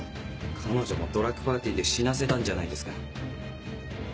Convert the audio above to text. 彼女もドラッグパーティーで死なせたんじゃないですか？